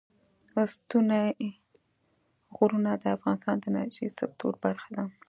ستوني غرونه د افغانستان د انرژۍ سکتور برخه ده.